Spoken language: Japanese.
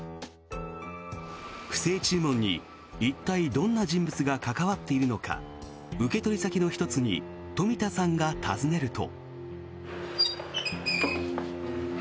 不正注文に一体どんな人物が関わっているのか受取先の１つに冨田さんが訪ねると。